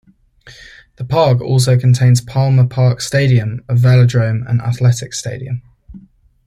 The park also contains Palmer Park Stadium, a velodrome and athletics stadium.